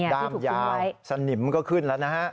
ด้ามยาวสนิมก็ขึ้นแล้วนะฮะ